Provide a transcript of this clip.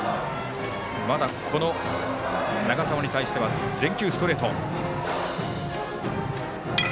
まだ、この長澤に対しては全球ストレート。